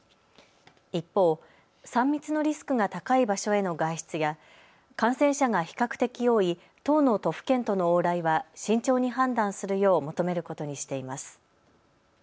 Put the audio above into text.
一方、３密のリスクが高い場所への外出や感染者が比較的多い１０の都府県との往来は慎重に判断するよう求めることにしています。